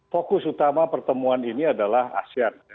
fokus utama pertemuan ini adalah asean